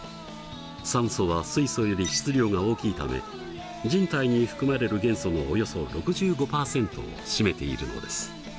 酸素は水素より質量が大きいため人体に含まれる元素のおよそ６５％を占めているのです。